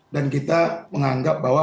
dan kita menganggap bahwa